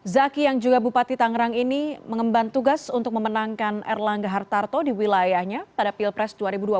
zaki yang juga bupati tangerang ini mengemban tugas untuk memenangkan erlangga hartarto di wilayahnya pada pilpres dua ribu dua puluh